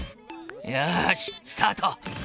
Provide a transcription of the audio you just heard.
よしスタート。